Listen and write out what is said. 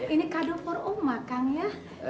ini kado buat oma kang ya